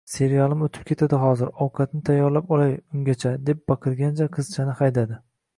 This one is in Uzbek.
Serialim o`tib ketadi hozir, ovqatni tayyorlab olay ungacha, deb baqirgancha, qizchani haydadi